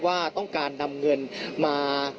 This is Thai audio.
ว่าต้องการนำเงินมา